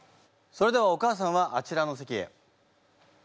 それではお母さんはあちらの席へ。